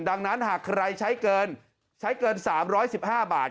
ดังนั้นหากใครใช้เกิน๓๑๕บาท